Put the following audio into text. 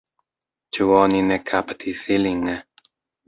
Ĉu oni ne kaptis ilin?